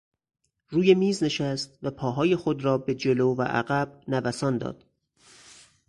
روی میز نشست و پاهای خود را به جلو و عقب نوسان داد.